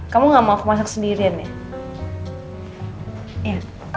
kamu gak mau aku masak sendirian nih